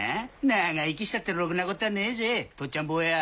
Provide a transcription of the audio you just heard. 長生きしたってろくなことはねえぜとっちゃん坊や！